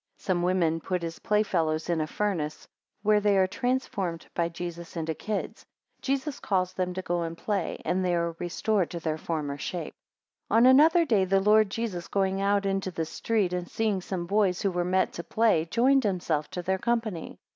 3 Some women put his playfellows in a furnace, 7 where they are transformed by Jesus into kids. 10 Jesus calls them to go and play, and they are restored to their former shape. ON another day the Lord Jesus going out into the street, and seeing some boys who were met to play, joined himself to their company.